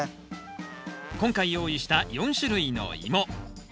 今回用意した４種類のイモ。